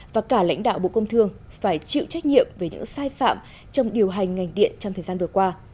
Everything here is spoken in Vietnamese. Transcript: và cả lãnh đạo bộ công thương phải chịu trách nhiệm về những sai phạm trong điều hành ngành điện trong thời gian vừa qua